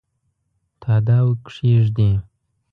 تاداو کښېږدي